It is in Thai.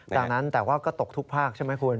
ดังนั้นแต่ว่าก็ตกทุกภาคใช่ไหมคุณ